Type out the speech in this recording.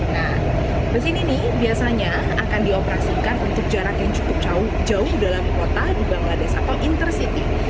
nah mesin ini biasanya akan dioperasikan untuk jarak yang cukup jauh dalam kota di bangladesh atau inter city